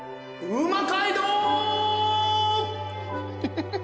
「うま街道」は。